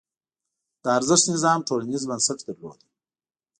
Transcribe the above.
د ارزښت نظام ټولنیز بنسټ درلود.